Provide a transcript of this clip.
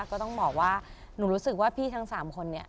ก็ต้องบอกว่าหนูรู้สึกว่าว่าพี่ทั้ง๓คน